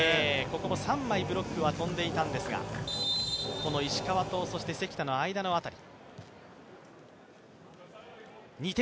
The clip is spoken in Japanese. ここも三枚ブロックは跳んでいたんですが石川と関田の間の辺り。